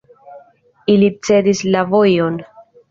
Ili cedis la vojon.